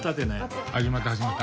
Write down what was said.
始まった始まった。